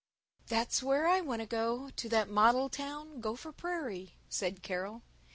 "THERE'S where I want to go; to that model town Gopher Prairie," said Carol.